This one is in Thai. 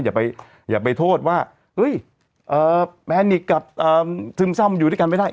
อย่าไปอย่าไปโทษว่าเอ้ยเอ่อแพนิกกับเอ่อซึมซ่ำอยู่ด้วยกันไม่ได้